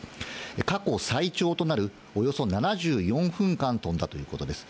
過去最長となるおよそ７４分間飛んだということです。